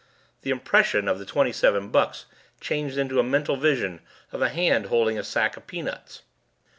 The impression of the twenty seven bucks changed into a mental vision of a hand holding a sack of peanuts.